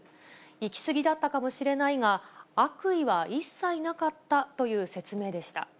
行き過ぎだったかもしれないが、悪意は一切なかったという説明でした。